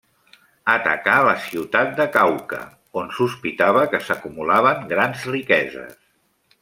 Atacà la ciutat de Cauca, on sospitava que s'acumulaven grans riqueses.